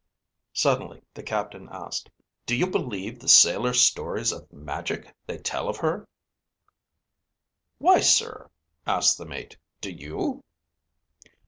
Suddenly the captain asked, "Do you believe the sailor's stories of magic they tell of her?" "Why, sir?" asked the mate. "Do you?"